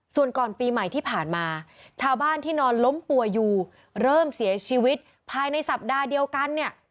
ส่วนก่อนปีใหม่ที่ผ่านมาชาวบ้านที่นอนล้มป่วยอยู่เริ่มเสียชีวิตภายในสัปดาห์เดียวกันเนี่ย